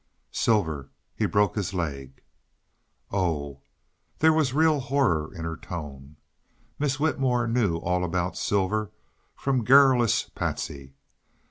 "Silver. He broke his leg." "Oh!" There was real horror in her tone. Miss Whitmore knew all about Silver from garrulous Patsy.